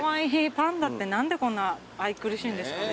パンダって何でこんな愛くるしいんですかね。